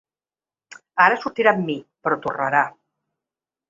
Ara sortirà amb mi, però tornarà.